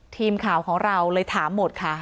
ทีมข่าวของเราเลยถามหมดค่ะ